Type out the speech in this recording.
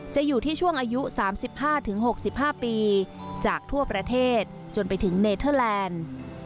จะอยู่ที่ช่วงอายุ๓๕๖๕ปีจากทั่วประเทศจนไปถึงเนเทอร์แลนด์